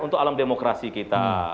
untuk alam demokrasi kita